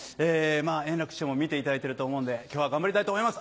円楽師匠も見ていただいてると思うんで今日は頑張りたいと思います